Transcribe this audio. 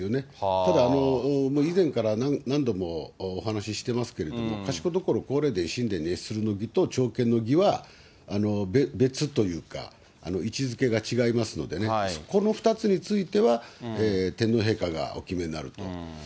ただ、以前から何度もお話してますけども、賢所皇霊殿神殿に謁するの儀と朝見の儀は、別というか、位置づけが違いますのでね、そこの２つについては、天皇陛下がお決めになると。